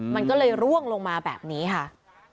มันก็เลยร่วงลงมาแบบนี้ค่ะ